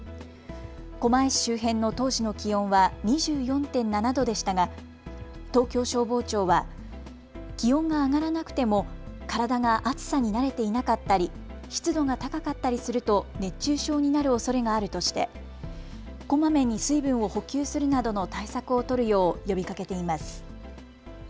狛江市周辺の当時の気温は２４．７度でしたが東京消防庁は気温が上がらなくても体が暑さに慣れていなかったり湿度が高かったりすると熱中症になるおそれがあるとしてこまめに水分を補給するなどの対策を取るよう呼びかけています。